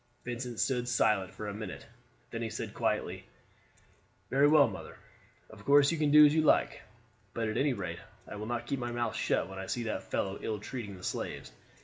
Vincent stood silent for a minute, then he said quietly: "Very well, mother. Of course you can do as you like; but at any rate I will not keep my mouth shut when I see that fellow ill treating the slaves.